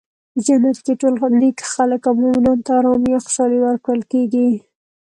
په جنت کې ټول نیک خلک او مومنانو ته ارامي او خوشحالي ورکړل کیږي.